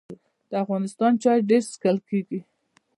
د افغانستان چای ډیر څښل کیږي